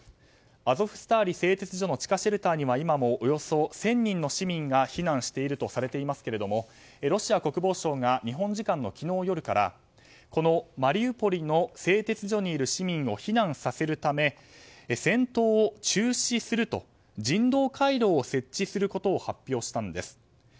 アゾフスターリ製鉄所の地下シェルターには今もおよそ１０００人の市民が避難しているとされていますがロシア国防省が日本時間の昨日夜からマリウポリの製鉄所にいる市民を避難させるため戦闘を中止すると人道回廊を設置することを発表したんです。